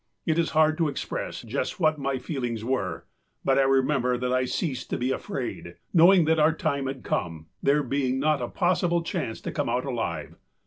It is hard to express just what my feelings were, but I remember that I ceased to be afraid, knowing that our time had come, there being not a possible chance to come out alive.